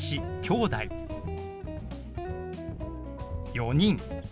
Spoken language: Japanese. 「４人」。